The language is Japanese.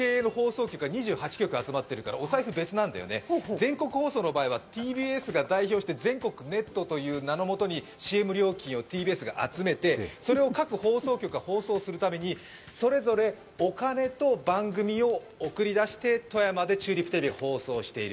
全国放送の場合はＴＢＳが代表して全国ネットという名のもとにＣＭ料金をＴＢＳが集めてそれが各放送局が放送するためにそれぞれお金と番組を送り出して、富山でチューリップテレビが放送している。